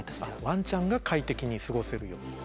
ワンちゃんが快適に過ごせるように。